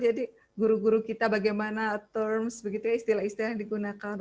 jadi guru guru kita bagaimana terms istilah istilah yang digunakan